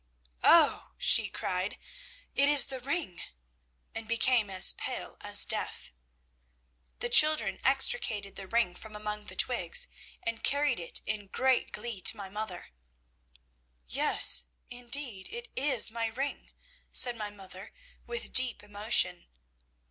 "'Oh,' she cried, 'it is the ring!' and became as pale as death. "The children extricated the ring from among the twigs, and carried it in great glee to my mother. "'Yes, indeed it is my ring,' said my mother, with deep emotion.